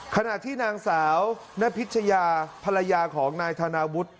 ขณะที่นางสาวนพิชยาภรรยาของนายธนาวุฒิ